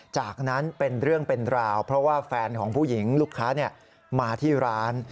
จากนั้นเป็นเรื่องเป็นราวเพราะว่าแฟนของผู้หญิงลูกค้ามาที่ร้าน